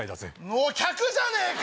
もう客じゃねえか！